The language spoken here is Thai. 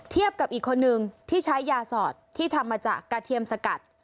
กับอีกคนนึงที่ใช้ยาสอดที่ทำมาจากกระเทียมสกัด